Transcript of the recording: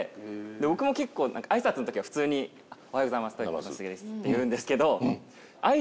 僕も結構あいさつの時は普通に「おはようございます。戸谷菊之介です」って言うんですけど。